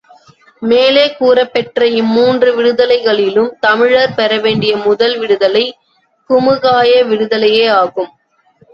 மேலே கூறப்பெற்ற இம்மூன்று விடுதலைகளிலும் தமிழர் பெறவேண்டிய முதல் விடுதலை குமுகாய விடுதலையே ஆகும்.